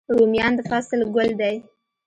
رومیان د فصل ګل دی